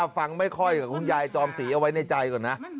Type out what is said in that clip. ฟังไม่ค่อยกับคุณยายจอมศรีเอาไว้ในใจก่อนนะ